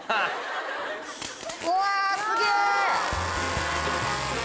うわすげぇ！